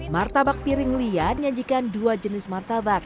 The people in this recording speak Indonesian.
martabak piring lia menyajikan dua jenis martabak